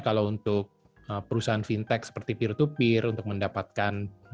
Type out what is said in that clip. kalau untuk perusahaan fintech seperti peer to peer untuk mendapatkan